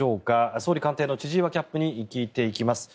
総理官邸の千々岩キャップに聞いていきます。